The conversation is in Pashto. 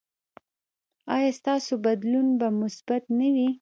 ایا ستاسو بدلون به مثبت نه وي؟